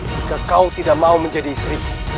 jika kau tidak mau menjadi istriku